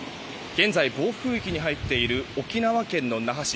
現在、暴風域に入っている沖縄県の那覇市。